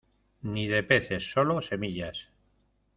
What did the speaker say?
ni de peces, solo semillas.